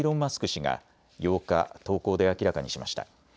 氏が８日、投稿で明らかにしました。